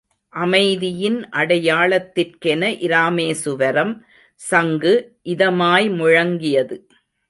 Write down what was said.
அமைதியின் அடையாளத்திற்கென இராமேசுவரம் சங்கு இதமாய் முழங்கியது.